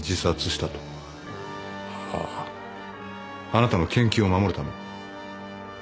あなたの研究を守るために？